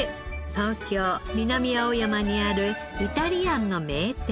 東京南青山にあるイタリアンの名店。